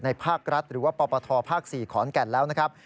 ภาครัฐหรือว่าปปทภาค๔ขอนแก่นแล้วนะครับ